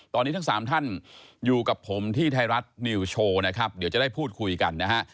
ตอนนี้ทั้งสามท่านอยู่กับผมที่ไทยรัฐนิวโชว์นะครับเดี๋ยวจะได้พูดคุยกันนะฮะ